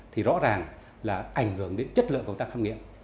thì rõ ràng là ảnh hưởng đến chất lượng công tác khám nghiệm